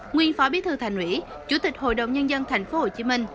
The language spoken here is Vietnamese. nguyễn phó bí thư thành nguyễn chủ tịch hội đồng nhân dân tp hcm